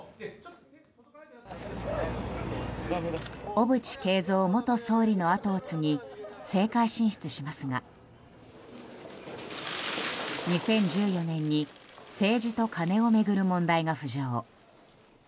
小渕恵三元総理の跡を継ぎ政界進出しますが２０１４年に政治とカネを巡る問題が浮上。